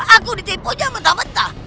aku ditipu aja mentah mentah